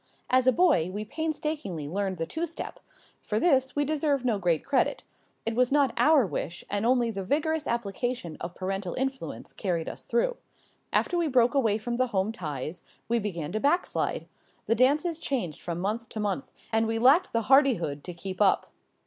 As a boy we painstakingly learned the two step. For this we deserve no great credit. It was not our wish, and only the vigorous application of parental influence carried us through. After we broke away from the home ties we began to back slide. The dances changed from month to month and we lacked the hardihood to keep up.